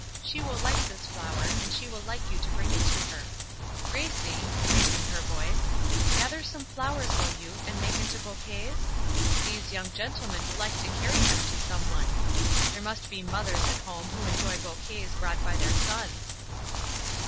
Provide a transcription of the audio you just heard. She will like this flower, and she will like you to bring it to her. "Gracie" raising her voice "gather some flowers will you, and make into bouquets? These young gentlemen will like to carry them to some one. There must be mothers at home who will enjoy bouquets brought by their sons."